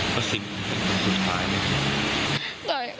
เพราะซิมเป็นผู้ตายแล้ว